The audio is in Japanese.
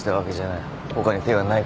他に手がないからだ。